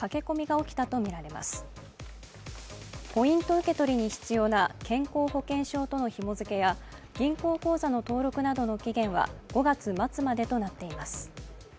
受け取りに必要な健康保険証とのひもづけや銀行口座の登録などの期限は５月末までとなっています。